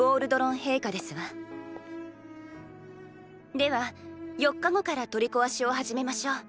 では４日後から取り壊しを始めましょう。